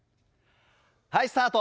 はいスタート。